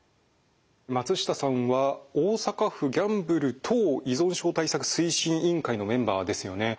松下さんは大阪府ギャンブル等依存症対策推進委員会のメンバーですよね。